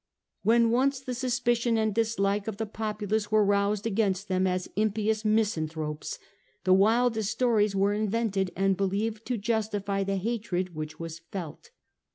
When once the suspicion and dislike of the populace were roused against them as impious misan thropes, the wildest stories were invented and believed to justify the hatred which was felt.